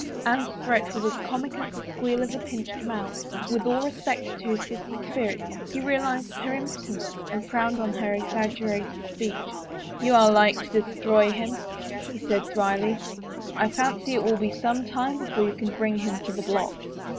Anne's threat was as comic as the squeal of a pinched mouse. With all respect to his sister's spirit, he realized her impotence and frowned on her exaggerated speech. " You are like to destroy him," he said dryly. " I fancy it will be some time before you can bring him to the block."